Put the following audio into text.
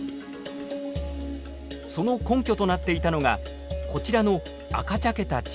その根拠となっていたのがこちらの赤茶けた地層。